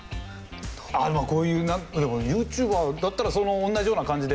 あっまあこういうでもＹｏｕＴｕｂｅｒだったら同じような感じで。